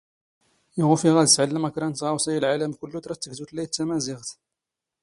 Iɣ ufiɣ ad sɛllmɣ kra n tɣawsa i lɛalam kullut, rad tg tutlayt Tamaziɣt.